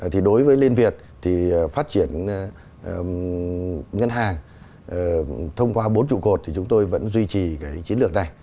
thì đối với liên việt thì phát triển ngân hàng thông qua bốn trụ cột thì chúng tôi vẫn duy trì cái chiến lược này